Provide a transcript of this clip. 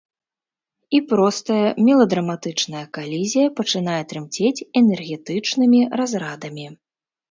І простая меладраматычная калізія пачынае трымцець энергетычнымі разрадамі.